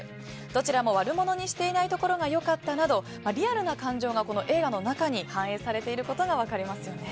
どちらも悪者にしていないところが良かったなどリアルな感情が映画の中に反映されていることが分かりますよね。